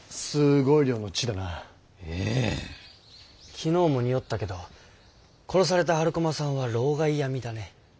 昨日もにおったけど殺された春駒さんは労咳病みだね。